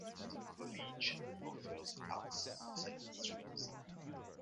The college offers Arts and Science streams.